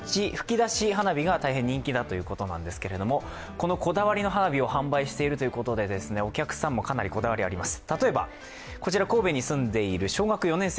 このこだわりの花火を販売しているということで、お客さんもかなりこだわりあります。